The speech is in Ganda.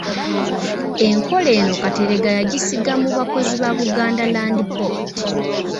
Enkola eno Kateregga yagisiga mu bakozi ba Buganda Land Board.